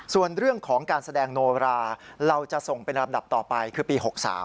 ส่วนเรื่องของการแสดงโนราเราจะส่งเป็นลำดับต่อไปคือปี๖๓